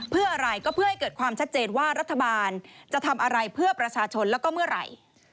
เพื่ออะไรก็เพื่อให้เกิดความชัดเจนว่ารัฐบาลจะทำอะไรเพื่อประชาชนแล้วก็เมื่อไหร่